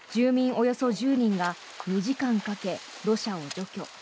およそ１０人が２時間かけ土砂を除去。